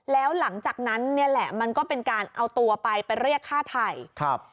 แล้วหลังจากนั้นเนี่ยแหละมันก็เป็นการเอาตัวไปไปเรียกฆ่าไทยครับ